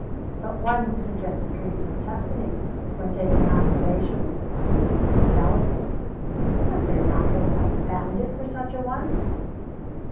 But one who suggested dreams of Tuscany when taking observations on the use of the salad fork was there not hope unbounded for such a one?